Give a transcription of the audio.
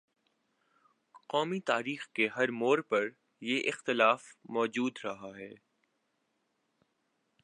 قومی تاریخ کے ہر موڑ پر یہ اختلاف مو جود رہا ہے۔